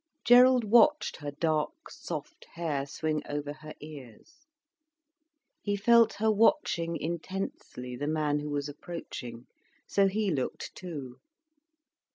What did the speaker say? Gerald watched her dark, soft hair swing over her ears. He felt her watching intensely the man who was approaching, so he looked too.